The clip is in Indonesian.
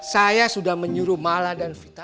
saya sudah menyuruh mala dan vita